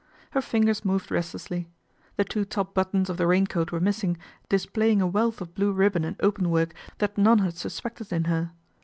Her fingers moved restlessly. The two top buttons of the raincoat were missing, displaying a wealth of blue ribbon and openwork that none had sus pected in her.